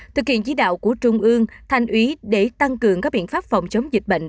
thực hiện chí đạo của trung ương thanh úy để tăng cường các biện pháp phòng chống dịch bệnh